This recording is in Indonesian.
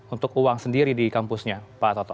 untuk uang sendiri di kampusnya pak toto